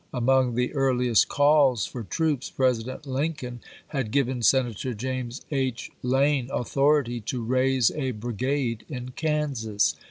Among the earliest calls for troops President Lincoln had given Senator James H. Lane authority to raise a brigade in Kansas.